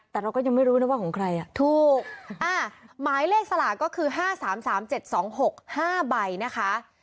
แต่เราก็ยังไม่รู้นะว่าของใครอ่ะถูกหมายเลขสลากก็คือ๕๓๓๗๒๖๕ใบนะคะ